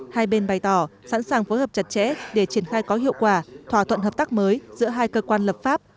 hai bên bày tỏ sẵn sàng phối hợp chặt chẽ để triển khai có hiệu quả thỏa thuận hợp tác mới giữa hai cơ quan lập pháp